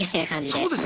そうですね。